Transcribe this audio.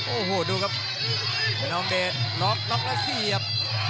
โอ้โหดูครับคนนองเดชน์ล็อคล็อคแล้วเสียบ